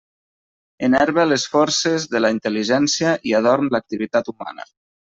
Enerva les forces de la intel·ligència i adorm l'activitat humana.